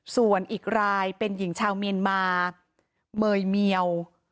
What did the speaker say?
ส่วนอีกรายเป็นหญิงชาวเมียนมาเมยเมียว